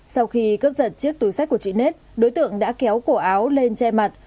sau khi cướp giật chiếc túi sách của chị nết đối tượng đã kéo cổ áo lên che mặt